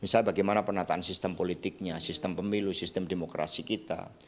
misalnya bagaimana penataan sistem politiknya sistem pemilu sistem demokrasi kita